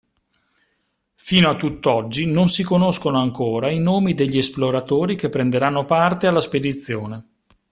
Fino a tutt'oggi non si conoscono ancora i nomi degli esploratori che prenderanno parte alla spedizione.